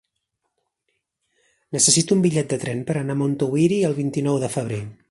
Necessito un bitllet de tren per anar a Montuïri el vint-i-nou de febrer.